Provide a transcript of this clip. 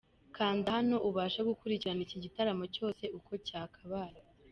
Kanda hano ubashe gukurikirana iki gitaramo cyose uko cyakabaye.